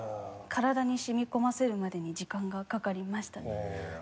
体に染み込ませるまでに時間がかかりましたね。